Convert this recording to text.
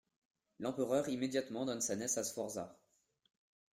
L'Empereur immédiatement donne sa nièce à Sforza.